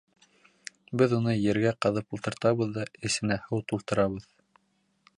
— Беҙ уны ергә ҡаҙып ултыртабыҙ ҙа, эсенә һыу тултырабыҙ.